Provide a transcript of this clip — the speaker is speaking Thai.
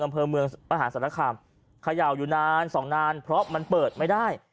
อำเภอเมืองมหาศาลคามเขย่าอยู่นานสองนานเพราะมันเปิดไม่ได้